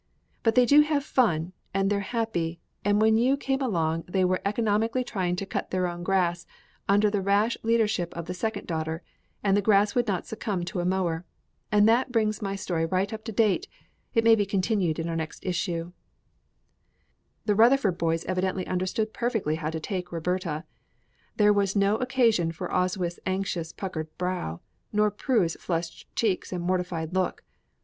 But they do have fun, and they're happy, and when you came along they were economically trying to cut their own grass, under the rash leadership of the second daughter, and the grass would not succumb to a mower. And that brings my story right up to date it may be continued in our next issue." The Rutherford boys evidently understood perfectly how to take Roberta; there was no occasion for Oswyth's anxiously puckered brow, nor Prue's flushed cheeks and mortified look.